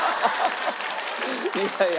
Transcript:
いやいや。